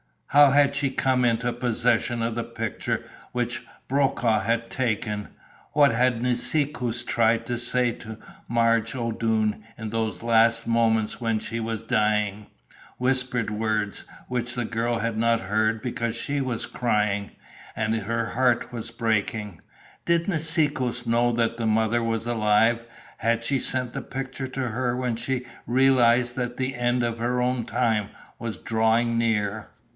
How had she come into possession of the picture which Brokaw had taken? What had Nisikoos tried to say to Marge O'Doone in those last moments when she was dying whispered words which the girl had not heard because she was crying, and her heart was breaking? Did Nisikoos know that the mother was alive? Had she sent the picture to her when she realized that the end of her own time was drawing near?